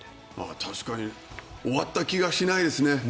確かに終わった気がしないですね。